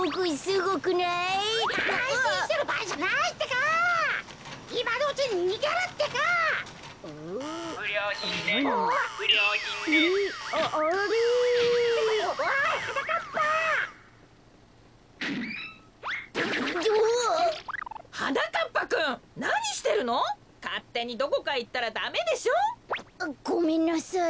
ごめんなさい。